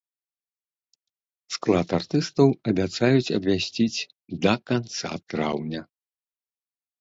Склад артыстаў абяцаюць абвясціць да канца траўня.